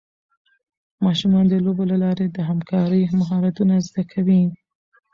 ماشومان د لوبو له لارې د همکارۍ مهارتونه زده کوي.